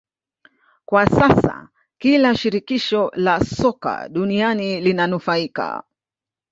Kwa sasa kila shirikisho la soka duniani linanufaika